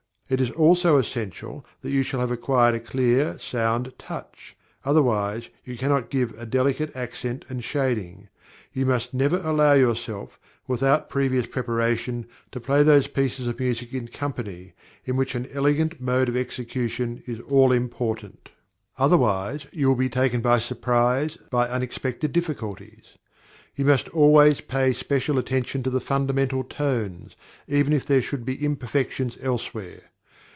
It is also essential that you shall have acquired a clear, sound touch; otherwise, you cannot give a delicate accent and shading. You must never allow yourself, without previous preparation, to play those pieces of music in company, in which an elegant mode of execution is all important; otherwise, you will be taken by surprise by unexpected difficulties. You must always pay special attention to the fundamental tones, even if there should be imperfections elsewhere.